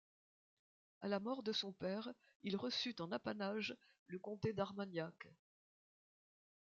À la mort de son père, il reçut en apanage le comté d'Armagnac.